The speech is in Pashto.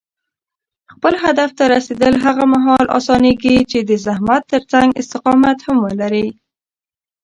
خپل هدف ته رسېدل هغه مهال اسانېږي چې د زحمت ترڅنګ استقامت هم لرې.